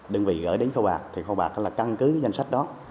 đơn vị gửi đến kho bạc thì kho bạc căn cứ danh sách đó